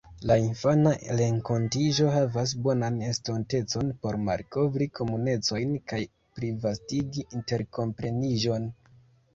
La infana renkontiĝo havas bonan estontecon por malkovri komunecojn kaj plivastigi interkompreniĝon.